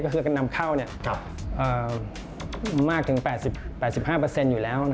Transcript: ก็คือการนำเข้ามากถึง๘๕อยู่แล้ว